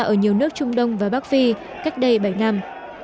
ở nhiều nước trung đông và bắc phi cách đây bảy năm